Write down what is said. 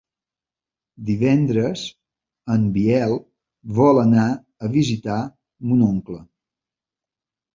Divendres en Biel vol anar a visitar mon oncle.